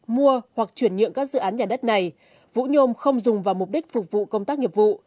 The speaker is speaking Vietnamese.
mua hoặc chuyển nhượng các dự án nhà đất này vũ nhôm không dùng vào mục đích phục vụ công tác nghiệp vụ